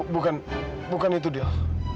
bukan bukan itu del